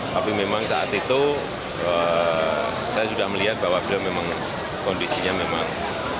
tapi memang saat itu saya sudah melihat bahwa beliau memang kondisinya memang